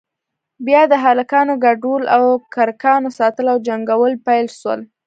بيا د هلکانو گډول او د کرکانو ساتل او جنگول پيل سول.